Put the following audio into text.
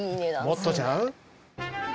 もっとちゃう？